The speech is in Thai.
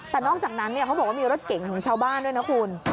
แต่นอกจากนั้นเขาบอกว่ามีรถเก่งของชาวบ้านด้วยนะคุณ